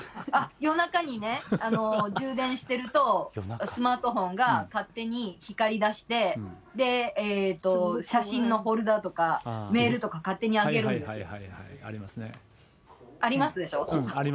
夜中にね、充電してると、スマートフォンが勝手に光りだして、写真のフォルダーとかメールとか勝手に開けるんですよ。ありますでしょ？